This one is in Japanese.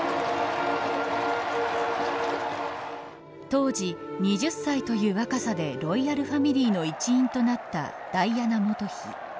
当時２０歳という若さでロイヤルファミリーの一員となった、ダイアナ元妃。